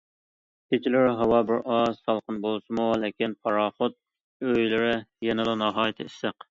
كېچىلىرى ھاۋا بىرئاز سالقىن بولسىمۇ، لېكىن پاراخوت ئۆيلىرى يەنىلا ناھايىتى ئىسسىق.